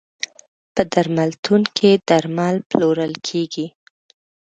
په درملتون کې درمل پلورل کیږی.